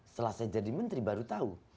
setelah saya jadi menteri baru tahu